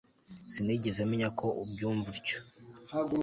Sinigeze menya ko ubyumva utyo